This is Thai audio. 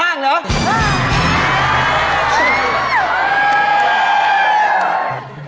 อะไรนะคะ